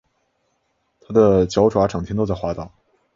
他的脚爪整天都在滑倒